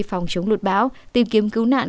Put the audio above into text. phòng chống luật báo tìm kiếm cứu nạn